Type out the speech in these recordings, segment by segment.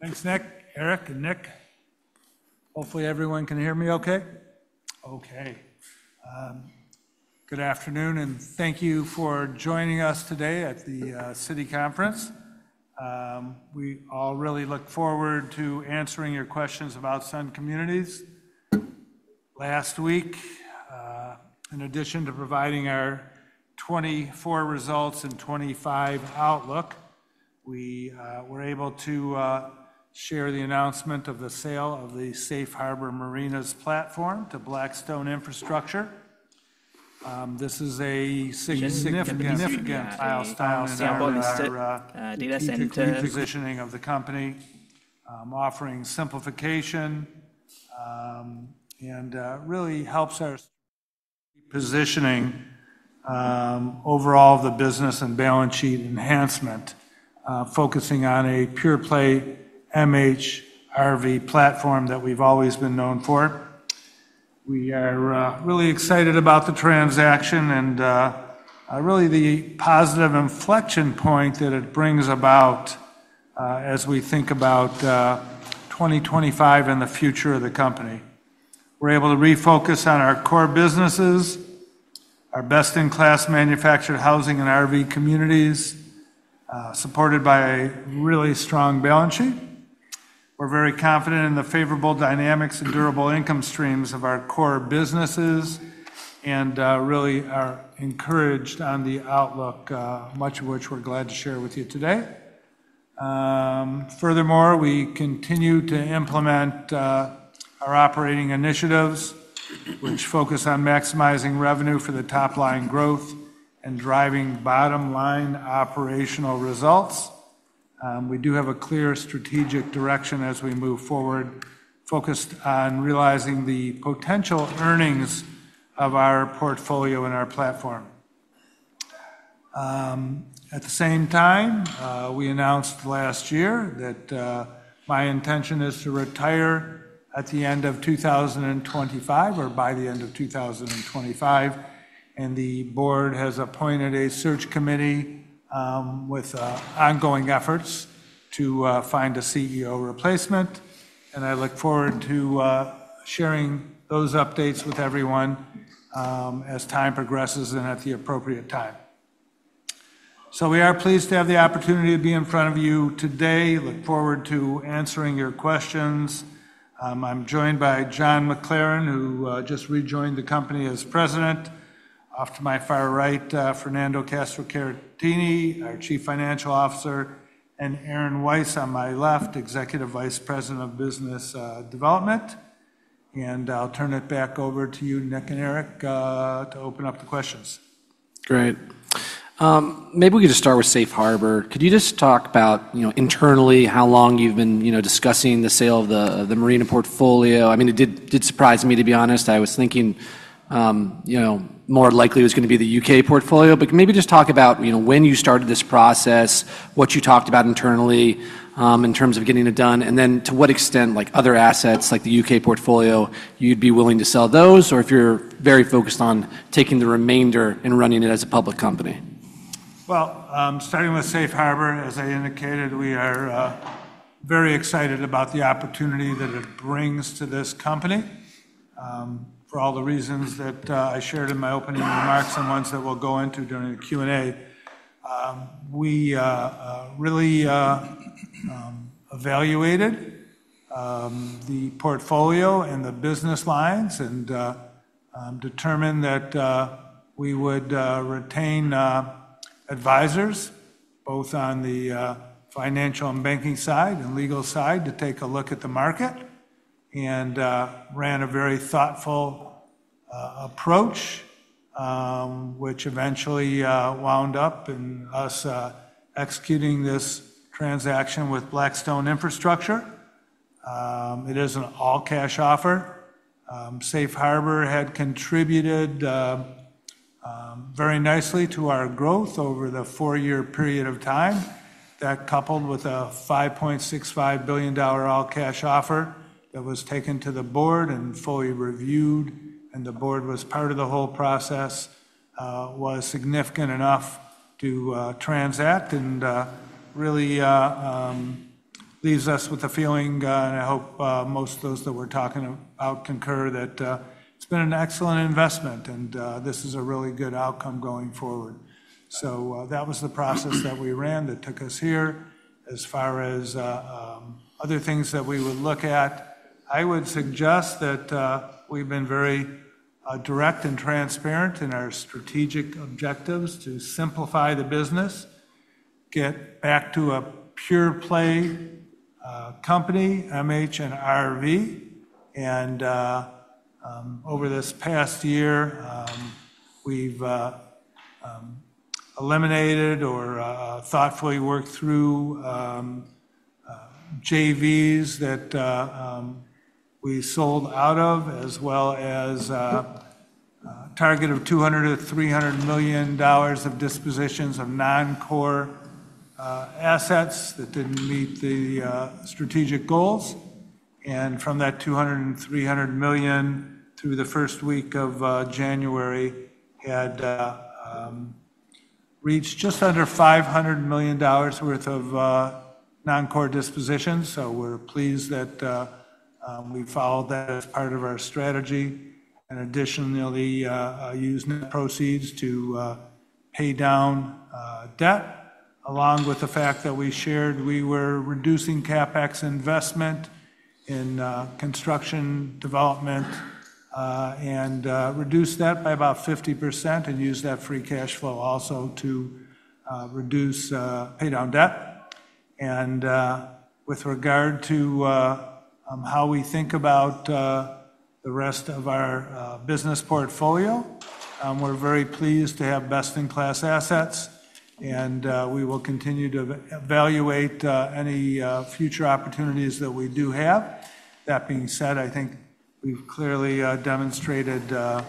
Thanks, Nick. Eric and Nick. Hopefully, everyone can hear me okay. Okay. Good afternoon, and thank you for joining us today at the Citi conference. We all really look forward to answering your questions about Sun Communities. Last week, in addition to providing our 2024 results and 2025 outlook, we were able to share the announcement of the sale of the Safe Harbor Marinas platform to Blackstone Infrastructure. This is a significant milestone for the repositioning of the company, offering simplification, and really helps our positioning overall of the business and balance sheet enhancement, focusing on a pure-play MHRV platform that we've always been known for. We are really excited about the transaction and really the positive inflection point that it brings about as we think about 2025 and the future of the company. We're able to refocus on our core businesses, our best-in-class manufactured housing and RV communities, supported by a really strong balance sheet. We're very confident in the favorable dynamics and durable income streams of our core businesses and really are encouraged on the outlook, much of which we're glad to share with you today. Furthermore, we continue to implement our operating initiatives, which focus on maximizing revenue for the top-line growth and driving bottom-line operational results. We do have a clear strategic direction as we move forward, focused on realizing the potential earnings of our portfolio and our platform. At the same time, we announced last year that my intention is to retire at the end of 2025 or by the end of 2025, and the board has appointed a search committee with ongoing efforts to find a CEO replacement. I look forward to sharing those updates with everyone as time progresses and at the appropriate time. We are pleased to have the opportunity to be in front of you today. Look forward to answering your questions. I'm joined by John McLaren, who just rejoined the company as President. Off to my far right, Fernando Castro-Caratini, our Chief Financial Officer, and Aaron Weiss on my left, Executive Vice President of Business Development. I'll turn it back over to you, Nick and Eric, to open up the questions. Great. Maybe we could just start with Safe Harbor. Could you just talk about internally how long you've been discussing the sale of the Marina portfolio? I mean, it did surprise me, to be honest. I was thinking more likely it was going to be the U.K. portfolio. But maybe just talk about when you started this process, what you talked about internally in terms of getting it done, and then to what extent other assets like the U.K. portfolio, you'd be willing to sell those, or if you're very focused on taking the remainder and running it as a public company? Starting with Safe Harbor, as I indicated, we are very excited about the opportunity that it brings to this company for all the reasons that I shared in my opening remarks and ones that we'll go into during the Q&A. We really evaluated the portfolio and the business lines and determined that we would retain advisors, both on the financial and banking side and legal side, to take a look at the market and ran a very thoughtful approach, which eventually wound up in us executing this transaction with Blackstone Infrastructure. It is an all-cash offer. Safe Harbor had contributed very nicely to our growth over the four-year period of time. That, coupled with a $5.65 billion all-cash offer that was taken to the board and fully reviewed, and the board was part of the whole process, was significant enough to transact and really leaves us with a feeling, and I hope most of those that we're talking about concur, that it's been an excellent investment and this is a really good outcome going forward. So that was the process that we ran that took us here. As far as other things that we would look at, I would suggest that we've been very direct and transparent in our strategic objectives to simplify the business, get back to a pure-play company, MH and RV. And over this past year, we've eliminated or thoughtfully worked through JVs that we sold out of, as well as a target of $200 million-$300 million of dispositions of non-core assets that didn't meet the strategic goals. And from that $200 million-$300 million, through the first week of January, had reached just under $500 million worth of non-core dispositions. So we're pleased that we followed that as part of our strategy and additionally used net proceeds to pay down debt, along with the fact that we shared we were reducing CapEx investment in construction development and reduced that by about 50% and used that free cash flow also to reduce pay down debt. And with regard to how we think about the rest of our business portfolio, we're very pleased to have best-in-class assets, and we will continue to evaluate any future opportunities that we do have. That being said, I think we've clearly demonstrated the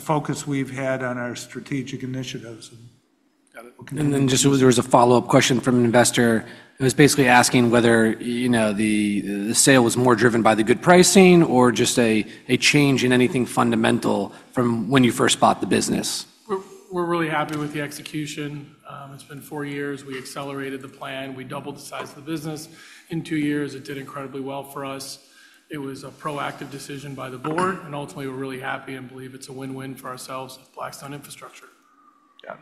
focus we've had on our strategic initiatives. And then just there was a follow-up question from an investor. It was basically asking whether the sale was more driven by the good pricing or just a change in anything fundamental from when you first bought the business. We're really happy with the execution. It's been four years. We accelerated the plan. We doubled the size of the business. In two years, it did incredibly well for us. It was a proactive decision by the board, and ultimately, we're really happy and believe it's a win-win for ourselves and Blackstone Infrastructure. Yeah.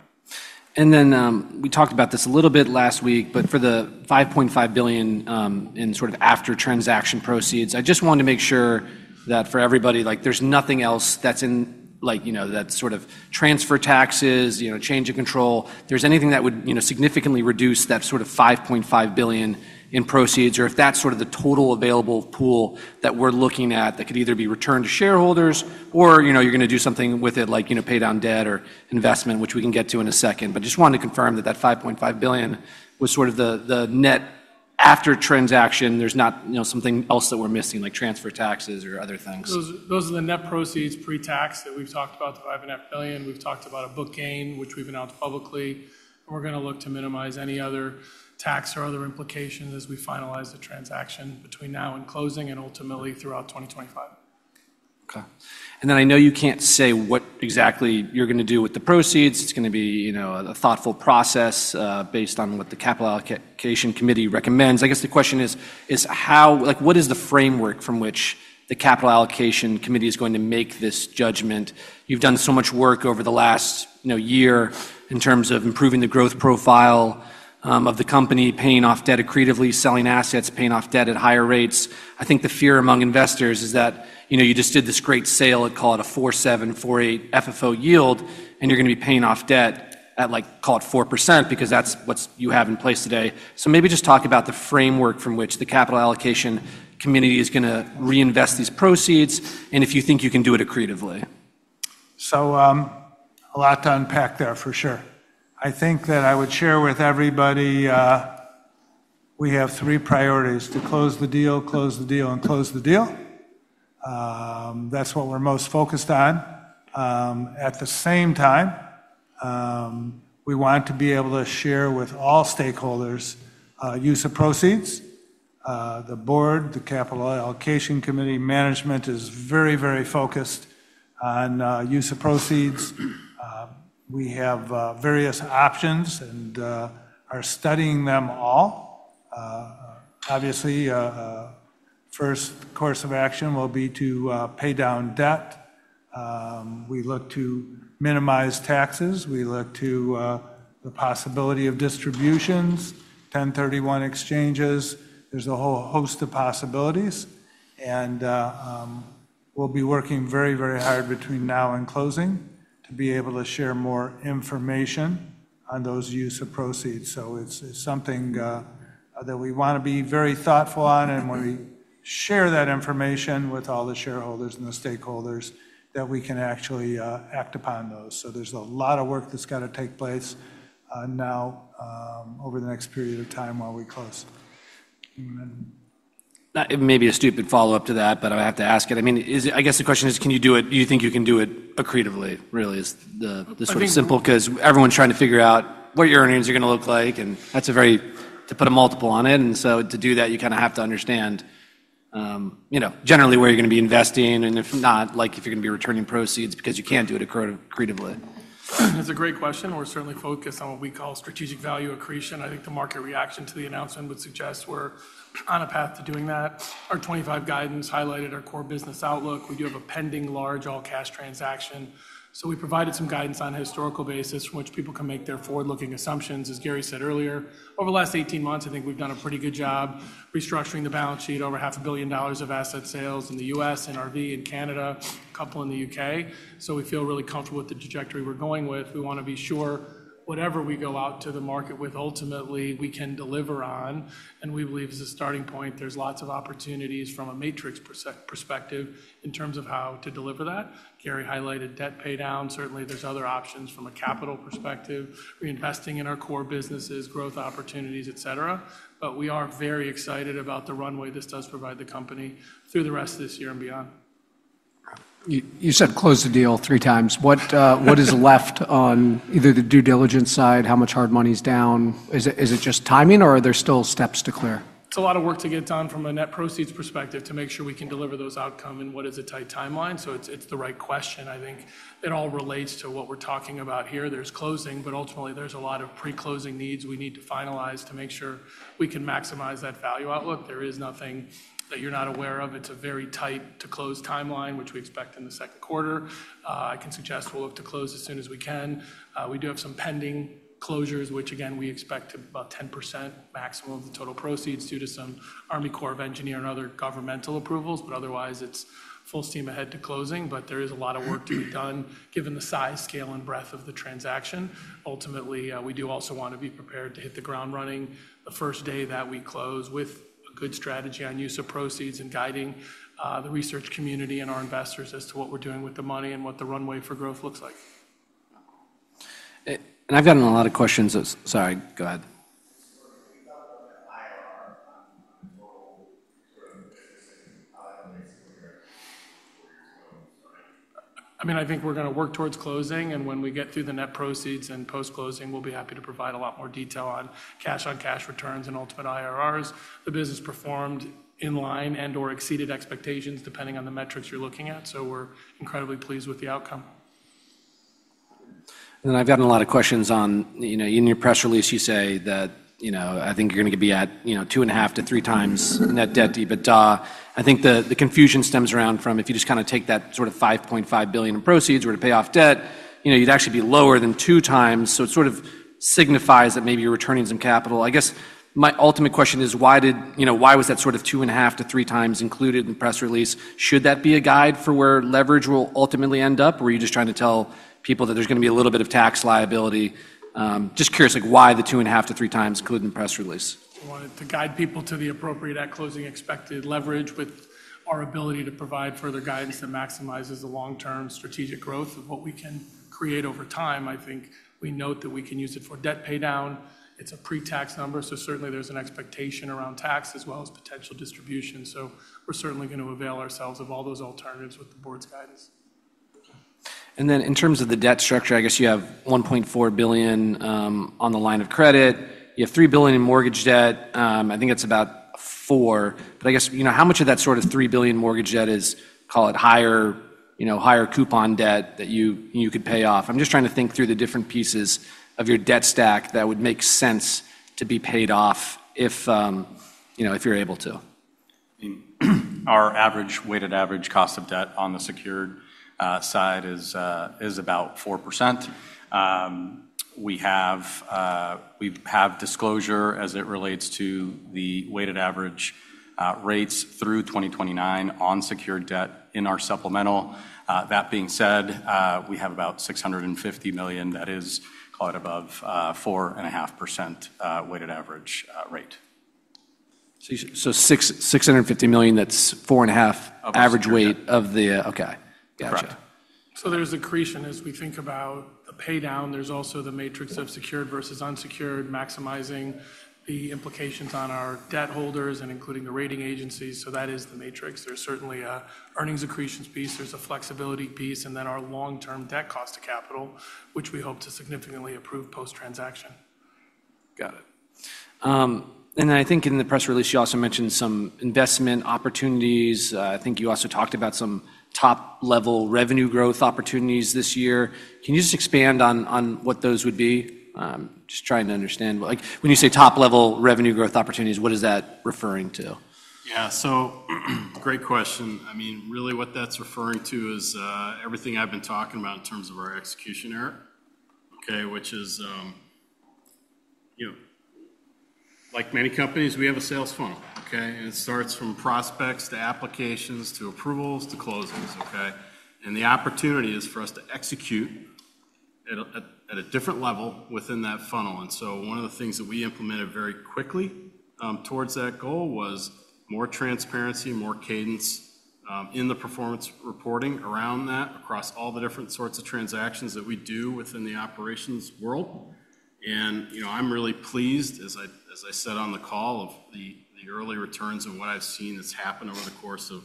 And then we talked about this a little bit last week, but for the $5.5 billion in sort of after-transaction proceeds, I just wanted to make sure that for everybody, there's nothing else that's in that sort of transfer taxes, change of control. There's anything that would significantly reduce that sort of $5.5 billion in proceeds, or if that's sort of the total available pool that we're looking at that could either be returned to shareholders or you're going to do something with it like pay down debt or investment, which we can get to in a second. But I just wanted to confirm that that $5.5 billion was sort of the net after-transaction. There's not something else that we're missing, like transfer taxes or other things. Those are the net proceeds pre-tax that we've talked about, the $5.5 billion. We've talked about a book gain, which we've announced publicly. We're going to look to minimize any other tax or other implications as we finalize the transaction between now and closing and ultimately throughout 2025. Okay, and then I know you can't say what exactly you're going to do with the proceeds. It's going to be a thoughtful process based on what the Capital Allocation Committee recommends. I guess the question is, what is the framework from which the Capital Allocation Committee is going to make this judgment? You've done so much work over the last year in terms of improving the growth profile of the company, paying off debt accretively, selling assets, paying off debt at higher rates. I think the fear among investors is that you just did this great sale, call it a 4.7-4.8 FFO yield, and you're going to be paying off debt at, call it, 4% because that's what you have in place today. So, maybe just talk about the framework from which the Capital Allocation Committee is going to reinvest these proceeds and if you think you can do it accretively. So a lot to unpack there, for sure. I think that I would share with everybody we have three priorities: to close the deal, close the deal, and close the deal. That's what we're most focused on. At the same time, we want to be able to share with all stakeholders use of proceeds. The board, the Capital Allocation Committee management is very, very focused on use of proceeds. We have various options and are studying them all. Obviously, first course of action will be to pay down debt. We look to minimize taxes. We look to the possibility of distributions, 1031 exchanges. There's a whole host of possibilities. And we'll be working very, very hard between now and closing to be able to share more information on those use of proceeds. So it's something that we want to be very thoughtful on, and when we share that information with all the shareholders and the stakeholders, that we can actually act upon those. So there's a lot of work that's got to take place now over the next period of time while we close. Maybe a stupid follow-up to that, but I have to ask it. I mean, I guess the question is, can you do it? Do you think you can do it accretively? Really, is the sort of simple? Because everyone's trying to figure out what your earnings are going to look like, and that's a very hard to put a multiple on it. And so to do that, you kind of have to understand generally where you're going to be investing, and if not, if you're going to be returning proceeds, because you can't do it accretively. That's a great question. We're certainly focused on what we call strategic value accretion. I think the market reaction to the announcement would suggest we're on a path to doing that. Our 2025 guidance highlighted our core business outlook. We do have a pending large all-cash transaction. So we provided some guidance on a historical basis from which people can make their forward-looking assumptions. As Gary said earlier, over the last 18 months, I think we've done a pretty good job restructuring the balance sheet over $500 million of asset sales in the U.S., RV, and Canada, a couple in the U.K. So we feel really comfortable with the trajectory we're going with. We want to be sure whatever we go out to the market with, ultimately, we can deliver on. We believe as a starting point, there's lots of opportunities from a matrix perspective in terms of how to deliver that. Gary highlighted debt pay down. Certainly, there's other options from a capital perspective, reinvesting in our core businesses, growth opportunities, etc. But we are very excited about the runway this does provide the company through the rest of this year and beyond. You said close the deal threex. What is left on either the due diligence side? How much hard money's down? Is it just timing, or are there still steps to clear? It's a lot of work to get done from a net proceeds perspective to make sure we can deliver those outcomes in what is a tight timeline. So it's the right question. I think it all relates to what we're talking about here. There's closing, but ultimately, there's a lot of pre-closing needs we need to finalize to make sure we can maximize that value outlook. There is nothing that you're not aware of. It's a very tight-to-close timeline, which we expect in the second quarter. I can suggest we'll look to close as soon as we can. We do have some pending closures, which, again, we expect to be about 10% maximum of the total proceeds due to some U.S. Army Corps of Engineers and other governmental approvals. But otherwise, it's full steam ahead to closing. But there is a lot of work to be done given the size, scale, and breadth of the transaction. Ultimately, we do also want to be prepared to hit the ground running the first day that we close with a good strategy on use of proceeds and guiding the research community and our investors as to what we're doing with the money and what the runway for growth looks like. I've gotten a lot of questions. Sorry, go ahead. I mean, I think we're going to work towards closing. When we get through the net proceeds and post-closing, we'll be happy to provide a lot more detail on cash-on-cash returns and ultimate IRRs. The business performed in line and/or exceeded expectations depending on the metrics you're looking at. We're incredibly pleased with the outcome. I've gotten a lot of questions on, in your press release, you say that I think you're going to be at 2.5-3x net debt to EBITDA. But I think the confusion stems from if you just kind of take that sort of $5.5 billion in proceeds to pay off debt, you'd actually be lower than 2x. So it sort of signifies that maybe you're returning some capital. I guess my ultimate question is, why was that sort of 2.5-3x included in the press release? Should that be a guide for where leverage will ultimately end up, or are you just trying to tell people that there's going to be a little bit of tax liability? Just curious why the 2.5-3x included in the press release. We wanted to guide people to the appropriate at-closing expected leverage with our ability to provide further guidance that maximizes the long-term strategic growth of what we can create over time. I think we note that we can use it for debt pay down. It's a pre-tax number. So certainly, there's an expectation around tax as well as potential distribution. So we're certainly going to avail ourselves of all those alternatives with the board's guidance. And then in terms of the debt structure, I guess you have $1.4 billion on the line of credit. You have $3 billion in mortgage debt. I think it's about four. But I guess how much of that sort of $3 billion mortgage debt is, call it, higher coupon debt that you could pay off? I'm just trying to think through the different pieces of your debt stack that would make sense to be paid off if you're able to. Our average weighted average cost of debt on the secured side is about 4%. We have disclosure as it relates to the weighted average rates through 2029 on secured debt in our supplemental. That being said, we have about $650 million. That is, call it, above 4.5% weighted average rate. $650 million, that's 4.5 average weight of the. Of the asset. Okay. Gotcha. So there's accretion as we think about the pay down. There's also the matrix of secured versus unsecured, maximizing the implications on our debt holders and including the rating agencies. So that is the matrix. There's certainly an earnings accretion piece. There's a flexibility piece. And then our long-term debt cost of capital, which we hope to significantly improve post-transaction. Got it. And then I think in the press release, you also mentioned some investment opportunities. I think you also talked about some top-level revenue growth opportunities this year. Can you just expand on what those would be? Just trying to understand. When you say top-level revenue growth opportunities, what is that referring to? Yeah. So great question. I mean, really, what that's referring to is everything I've been talking about in terms of our execution era, which is like many companies, we have a sales funnel, and it starts from prospects to applications to approvals to closings. And the opportunity is for us to execute at a different level within that funnel. And so one of the things that we implemented very quickly towards that goal was more transparency, more cadence in the performance reporting around that across all the different sorts of transactions that we do within the operations world. And I'm really pleased, as I said on the call, of the early returns and what I've seen that's happened over the course of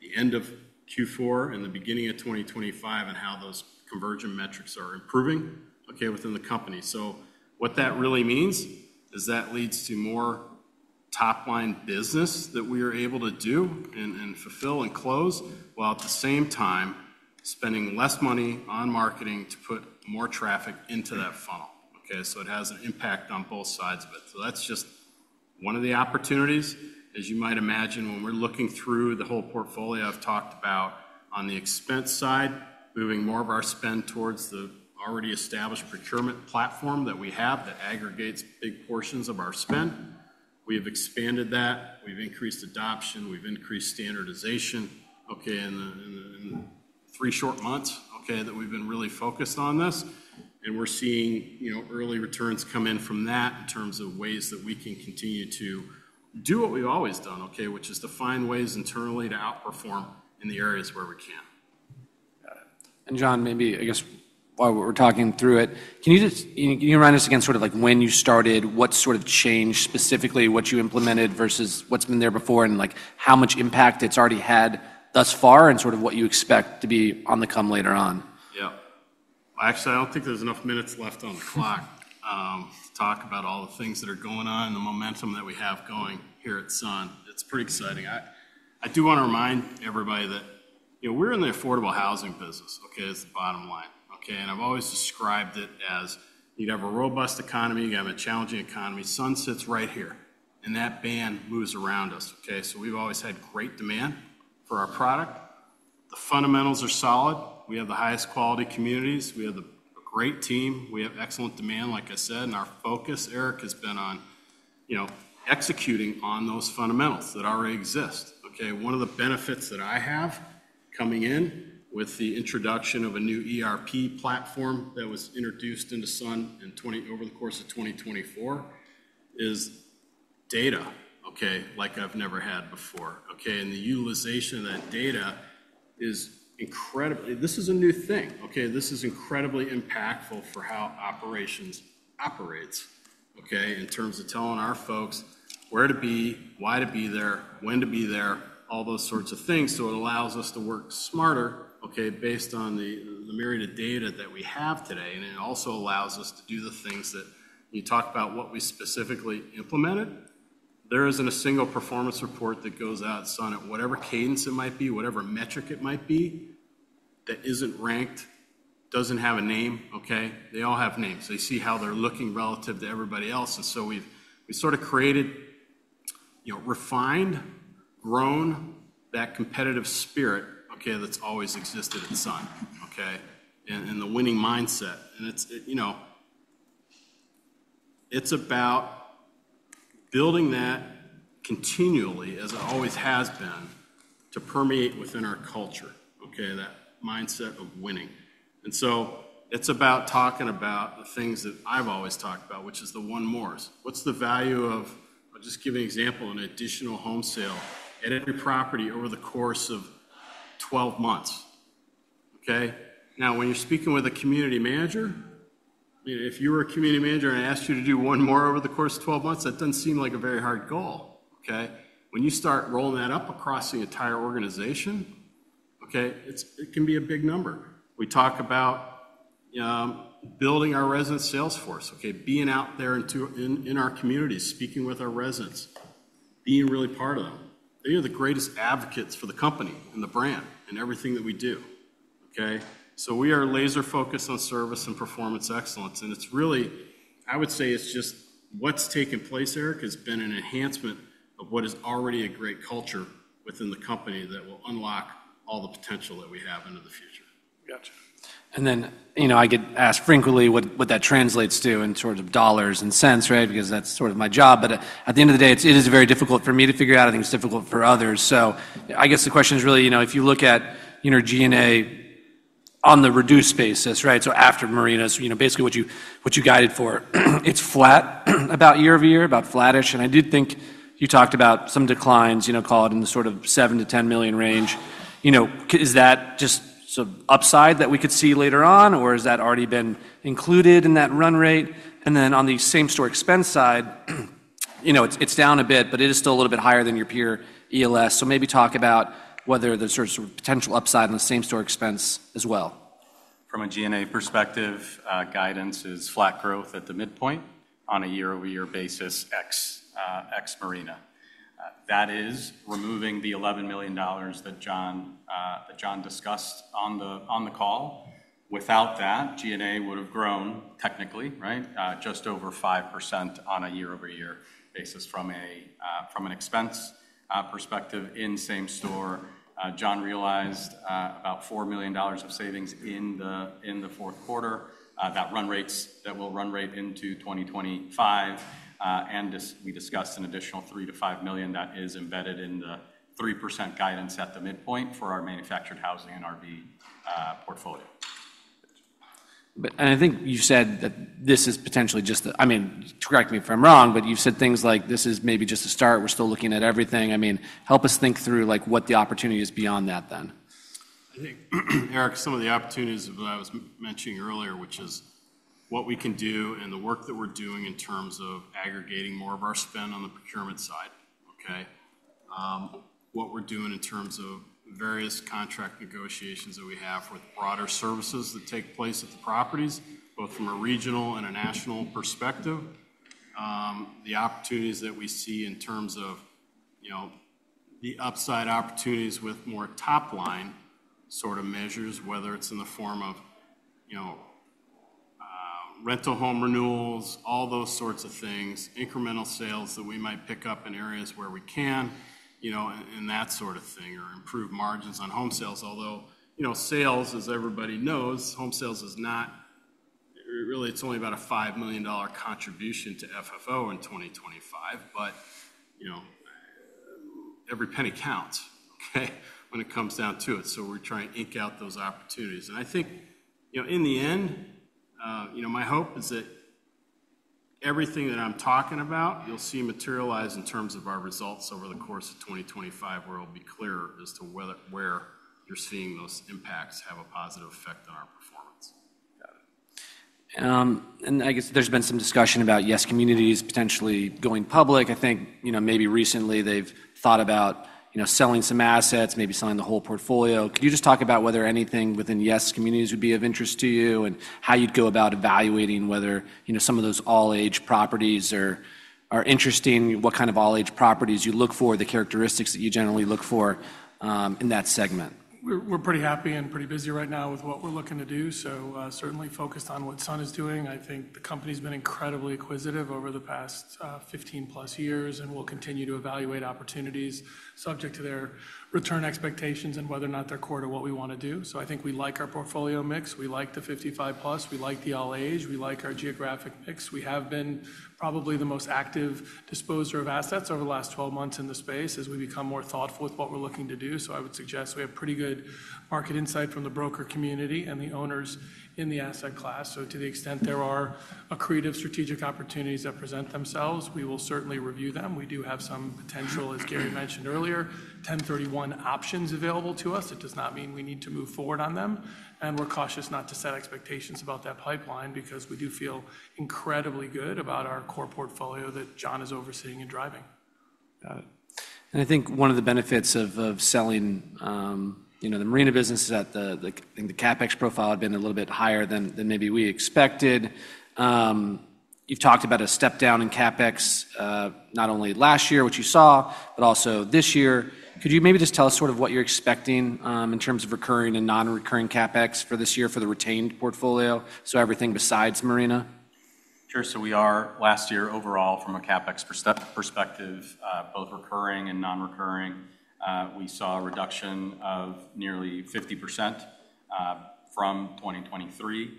the end of Q4 and the beginning of 2025 and how those conversion metrics are improving within the company. So what that really means is that leads to more top-line business that we are able to do and fulfill and close while at the same time spending less money on marketing to put more traffic into that funnel. So it has an impact on both sides of it. So that's just one of the opportunities. As you might imagine, when we're looking through the whole portfolio I've talked about on the expense side, moving more of our spend towards the already established procurement platform that we have that aggregates big portions of our spend. We have expanded that. We've increased adoption. We've increased standardization in three short months that we've been really focused on this. We're seeing early returns come in from that in terms of ways that we can continue to do what we've always done, which is to find ways internally to outperform in the areas where we can. Got it. And John, maybe I guess while we're talking through it, can you remind us again sort of when you started, what sort of changed specifically what you implemented versus what's been there before and how much impact it's already had thus far and sort of what you expect to be on the come later on? Yeah. Actually, I don't think there's enough minutes left on the clock to talk about all the things that are going on and the momentum that we have going here at Sun. It's pretty exciting. I do want to remind everybody that we're in the affordable housing business, is the bottom line, and I've always described it as you have a robust economy, you have a challenging economy. Sun sits right here, and that band moves around us, so we've always had great demand for our product. The fundamentals are solid. We have the highest quality communities. We have a great team. We have excellent demand, like I said. And our focus, Eric, has been on executing on those fundamentals that already exist. One of the benefits that I have coming in with the introduction of a new ERP platform that was introduced into Sun over the course of 2024 is data like I've never had before, and the utilization of that data is incredible. This is a new thing. This is incredibly impactful for how operations operates in terms of telling our folks where to be, why to be there, when to be there, all those sorts of things, so it allows us to work smarter based on the myriad of data that we have today. And it also allows us to do the things that when you talk about what we specifically implemented, there isn't a single performance report that goes out at Sun at whatever cadence it might be, whatever metric it might be that isn't ranked, doesn't have a name. They all have names. They see how they're looking relative to everybody else. And so we've sort of created, refined, grown that competitive spirit that's always existed at Sun and the winning mindset. And it's about building that continually, as it always has been, to permeate within our culture, that mindset of winning. And so it's about talking about the things that I've always talked about, which is the one mores. What's the value of, I'll just give you an example, an additional home sale at every property over the course of 12 months? Now, when you're speaking with a community manager, if you were a community manager and I asked you to do one more over the course of 12 months, that doesn't seem like a very hard goal. When you start rolling that up across the entire organization, it can be a big number. We talk about building our resident sales force, being out there in our communities, speaking with our residents, being really part of them. They are the greatest advocates for the company and the brand and everything that we do. So we are laser-focused on service and performance excellence. And I would say it's just what's taken place, Eric, has been an enhancement of what is already a great culture within the company that will unlock all the potential that we have into the future. Gotcha, and then I could ask frankly what that translates to in sort of dollars and cents, because that's sort of my job. But at the end of the day, it is very difficult for me to figure out. I think it's difficult for others, so I guess the question is really, if you look at G&A on the reduced basis, so after Marina, basically what you guided for, it's flat about year over year, about flattish. And I do think you talked about some declines, call it, in the sort of $7 million-$10 million range. Is that just some upside that we could see later on, or has that already been included in that run rate? And then on the same-store expense side, it's down a bit, but it is still a little bit higher than your peer ELS. So maybe talk about whether there's sort of potential upside in the same-store expense as well. From a G&A perspective, guidance is flat growth at the midpoint on a year-over-year basis, ex-Marina. That is removing the $11 million that John discussed on the call. Without that, G&A would have grown technically just over 5% on a year-over-year basis from an expense perspective in same-store. John realized about $4 million of savings in the fourth quarter, that run rates that will run rate into 2025, and we discussed an additional $3 million-$5 million that is embedded in the 3% guidance at the midpoint for our manufactured housing and RV portfolio. And I think you said that this is potentially just the - I mean, correct me if I'm wrong - but you said things like, "This is maybe just a start. We're still looking at everything." I mean, help us think through what the opportunity is beyond that then. I think, Eric, some of the opportunities that I was mentioning earlier, which is what we can do and the work that we're doing in terms of aggregating more of our spend on the procurement side, what we're doing in terms of various contract negotiations that we have for the broader services that take place at the properties, both from a regional and a national perspective, the opportunities that we see in terms of the upside opportunities with more top-line sort of measures, whether it's in the form of rental home renewals, all those sorts of things, incremental sales that we might pick up in areas where we can, and that sort of thing, or improve margins on home sales. Although sales, as everybody knows, home sales is not, really, it's only about a $5 million contribution to FFO in 2025, but every penny counts when it comes down to it. We're trying to work out those opportunities. I think in the end, my hope is that everything that I'm talking about, you'll see materialize in terms of our results over the course of 2025, where it'll be clearer as to where you're seeing those impacts have a positive effect on our performance. Got it. And I guess there's been some discussion about Yes! Communities potentially going public. I think maybe recently they've thought about selling some assets, maybe selling the whole portfolio. Could you just talk about whether anything within Yes! Communities would be of interest to you and how you'd go about evaluating whether some of those all-age properties are interesting, what kind of all-age properties you look for, the characteristics that you generally look for in that segment? We're pretty happy and pretty busy right now with what we're looking to do. So certainly focused on what Sun is doing. I think the company's been incredibly acquisitive over the past 15+ years and will continue to evaluate opportunities subject to their return expectations and whether or not they're core to what we want to do. So I think we like our portfolio mix. We like the 55+. We like the all-age. We like our geographic mix. We have been probably the most active disposer of assets over the last 12 months in the space as we become more thoughtful with what we're looking to do. So I would suggest we have pretty good market insight from the broker community and the owners in the asset class. So to the extent there are accretive strategic opportunities that present themselves, we will certainly review them. We do have some potential, as Gary mentioned earlier, 1031 options available to us. It does not mean we need to move forward on them, and we're cautious not to set expectations about that pipeline because we do feel incredibly good about our core portfolio that John is overseeing and driving. Got it. And I think one of the benefits of selling the Marina business is that I think the CapEx profile had been a little bit higher than maybe we expected. You've talked about a step down in CapEx not only last year, which you saw, but also this year. Could you maybe just tell us sort of what you're expecting in terms of recurring and non-recurring CapEx for this year for the retained portfolio, so everything besides Marina? Sure. So we are last year overall from a CapEx perspective, both recurring and non-recurring. We saw a reduction of nearly 50% from 2023.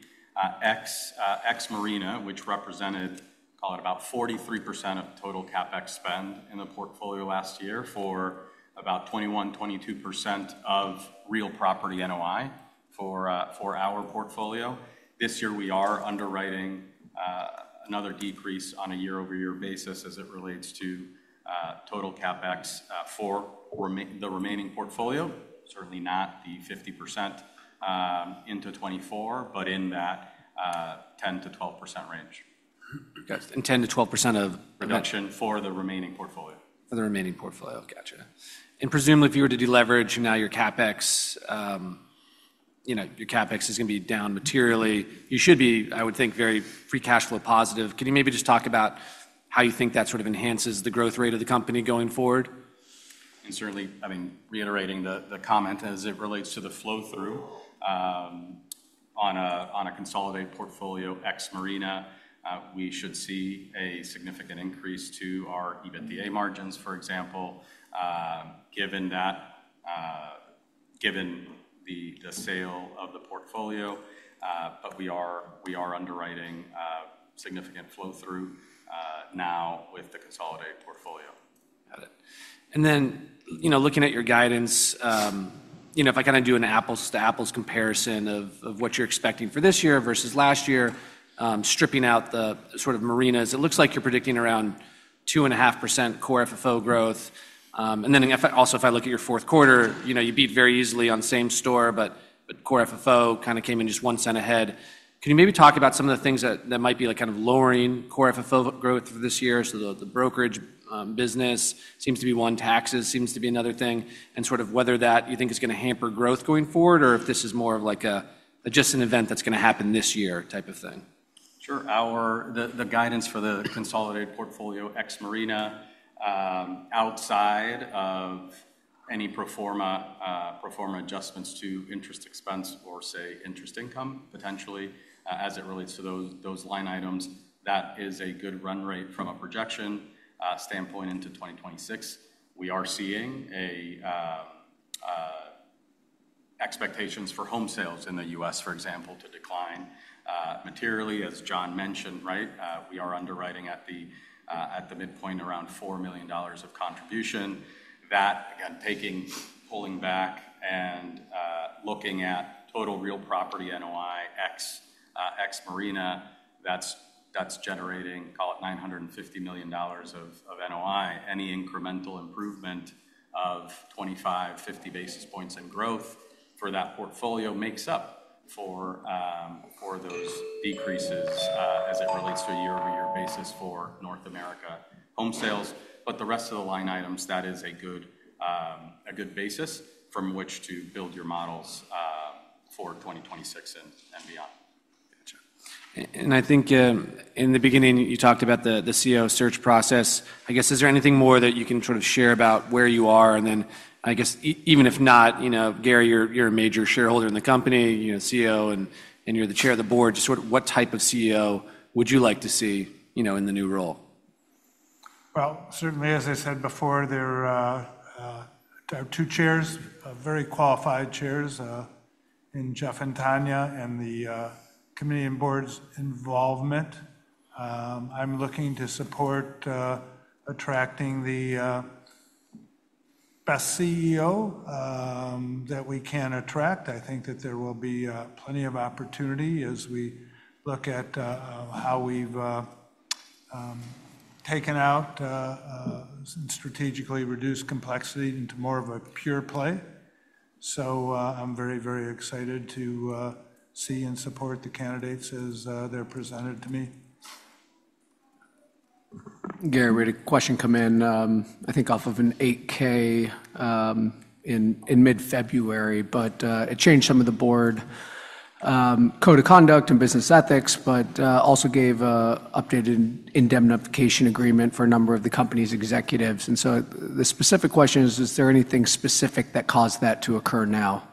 Ex-Marina, which represented, call it, about 43% of total CapEx spend in the portfolio last year for about 21%-22% of real property NOI for our portfolio. This year, we are underwriting another decrease on a year-over-year basis as it relates to total CapEx for the remaining portfolio, certainly not the 50% into 2024, but in that 10%-12% range. Got it. And 10%-12% of. Reduction for the remaining portfolio. For the remaining portfolio. Gotcha. And presumably, if you were to deleverage now your CapEx, your CapEx is going to be down materially. You should be, I would think, very free cash flow positive. Could you maybe just talk about how you think that sort of enhances the growth rate of the company going forward? Certainly, I mean, reiterating the comment as it relates to the flow-through on a consolidated portfolio ex-marina, we should see a significant increase to our EBITDA margins, for example, given the sale of the portfolio. We are underwriting significant flow-through now with the consolidated portfolio. Got it. And then looking at your guidance, if I kind of do an apples-to-apples comparison of what you're expecting for this year versus last year, stripping out the sort of marinas, it looks like you're predicting around 2.5% core FFO growth. And then also, if I look at your fourth quarter, you beat very easily on same-store, but core FFO kind of came in just $0.01 ahead. Can you maybe talk about some of the things that might be kind of lowering core FFO growth for this year? So the brokerage business seems to be one. Taxes seems to be another thing. And sort of whether that you think is going to hamper growth going forward or if this is more of just an event that's going to happen this year type of thing. Sure. The guidance for the consolidated portfolio ex-Marina outside of any pro forma adjustments to interest expense or, say, interest income potentially as it relates to those line items, that is a good run rate from a projection standpoint into 2026. We are seeing expectations for home sales in the U.S., for example, to decline materially. As John mentioned, we are underwriting at the midpoint around $4 million of contribution. That, again, pulling back and looking at total real property NOI ex-Marina, that's generating, call it, $950 million of NOI. Any incremental improvement of 25, 50 basis points in growth for that portfolio makes up for those decreases as it relates to a year-over-year basis for North America home sales. But the rest of the line items, that is a good basis from which to build your models for 2026 and beyond. Gotcha. And I think in the beginning, you talked about the CEO search process. I guess, is there anything more that you can sort of share about where you are? And then I guess, even if not, Gary, you're a major shareholder in the company, CEO, and you're the chair of the board. Just sort of what type of CEO would you like to see in the new role? Certainly, as I said before, there are two chairs, very qualified chairs in Jeff and Tonya and the committee and board's involvement. I'm looking to support attracting the best CEO that we can attract. I think that there will be plenty of opportunity as we look at how we've taken out and strategically reduced complexity into more of a pure play. I'm very, very excited to see and support the candidates as they're presented to me. Gary, we had a question come in, I think, off of an 8-K in mid-February, but it changed some of the Board Code of Conduct and Business Ethics, but also gave an updated indemnification agreement for a number of the company's executives. And so the specific question is, is there anything specific that caused that to occur now?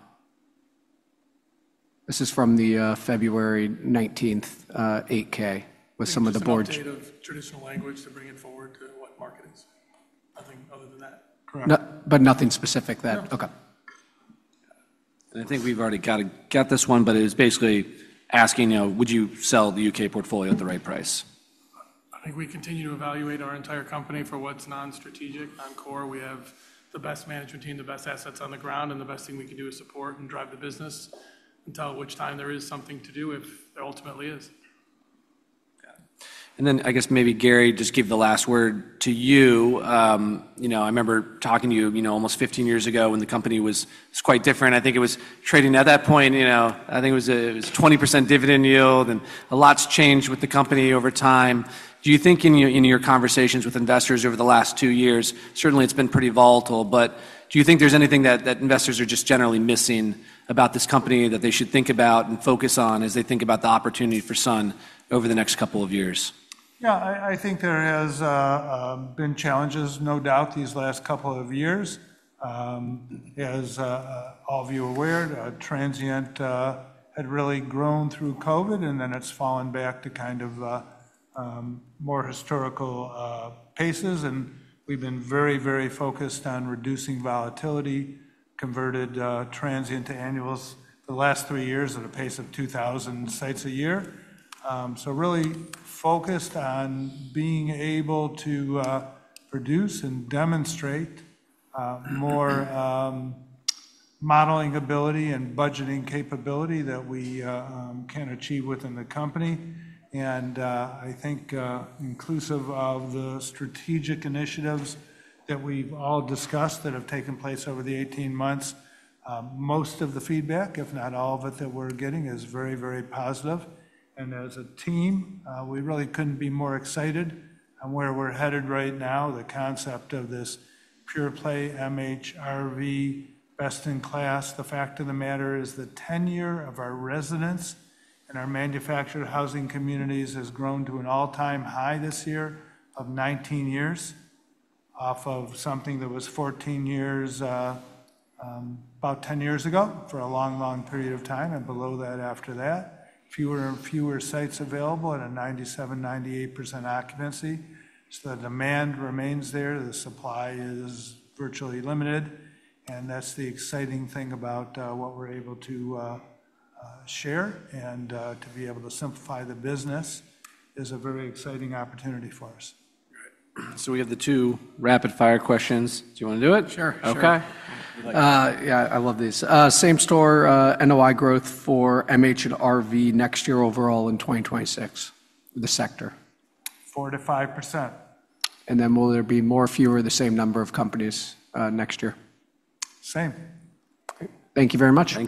This is from the February 19th 8-K with some of the board. I think it's just a bit of traditional language to bring it forward to what market is. Nothing other than that. but nothing specific that. No. Okay. I think we've already got this one, but it was basically asking, would you sell the U.K. portfolio at the right price? I think we continue to evaluate our entire company for what's non-strategic, non-core. We have the best management team, the best assets on the ground, and the best thing we can do is support and drive the business until at which time there is something to do if there ultimately is. Got it. And then I guess maybe Gary, just give the last word to you. I remember talking to you almost 15 years ago when the company was quite different. I think it was trading at that point. I think it was a 20% dividend yield, and a lot's changed with the company over time. Do you think in your conversations with investors over the last two years, certainly it's been pretty volatile, but do you think there's anything that investors are just generally missing about this company that they should think about and focus on as they think about the opportunity for Sun over the next couple of years? Yeah, I think there has been challenges, no doubt, these last couple of years. As all of you are aware, transient had really grown through COVID, and then it's fallen back to kind of more historical paces. And we've been very, very focused on reducing volatility, converted transient to annuals the last three years at a pace of 2,000 sites a year. So really focused on being able to produce and demonstrate more modeling ability and budgeting capability that we can achieve within the company. And I think inclusive of the strategic initiatives that we've all discussed that have taken place over the 18 months, most of the feedback, if not all of it that we're getting, is very, very positive. And as a team, we really couldn't be more excited on where we're headed right now. The concept of this pure play, MHRV, best in class, the fact of the matter is the tenure of our residents and our manufactured housing communities has grown to an all-time high this year of 19 years off of something that was 14 years about 10 years ago for a long, long period of time and below that after that, fewer and fewer sites available at a 97%-98% occupancy. So the demand remains there. The supply is virtually limited. And that's the exciting thing about what we're able to share and to be able to simplify the business is a very exciting opportunity for us. All right. So we have the two rapid-fire questions. Do you want to do it? Sure. Sure. Okay. Yeah, I love these. Same-store NOI growth for MH and RV next year overall in 2026 for the sector? 4%-5%. And then will there be more or fewer of the same number of companies next year? Same. Thank you very much.